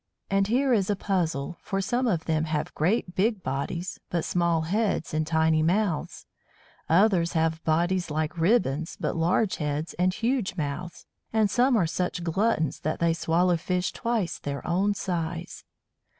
And here is a puzzle, for some of them have great big bodies, but small heads and tiny mouths; others have bodies like ribbons, but large heads and huge mouths, and some are such gluttons that they swallow fish twice their own size!